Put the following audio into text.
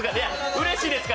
うれしいですか？